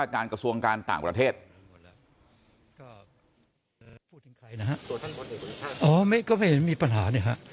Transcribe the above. ก็ไม่เห็นมีปัญหาเนี่ยฮะ